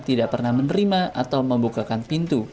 tidak pernah menerima atau membukakan pintu